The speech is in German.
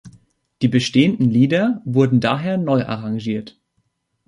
Die bestehenden Lieder wurden daher neu arrangiert.